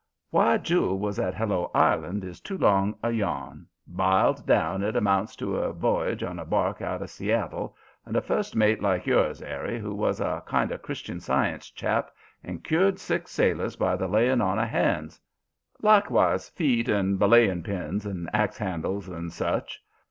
"Why Jule was at Hello Island is too long a yarn. Biled down it amounts to a voyage on a bark out of Seattle, and a first mate like yours, Eri, who was a kind of Christian Science chap and cured sick sailors by the laying on of hands likewise feet and belaying pins and ax handles and such.